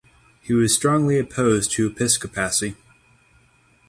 He was strongly opposed to Episcopacy.